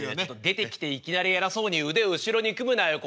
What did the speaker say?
出てきていきなり偉そうに腕を後ろに組むなよ